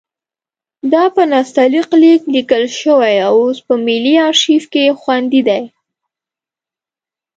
دا په نستعلیق لیک لیکل شوی اوس په ملي ارشیف کې خوندي دی.